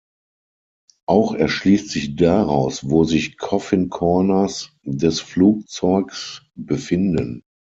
Auch erschließt sich daraus, wo sich Coffin Corners des Flugzeugs befinden.